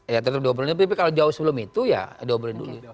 ya tetap diobrolin tapi kalau jauh sebelum itu ya diobrolin dulu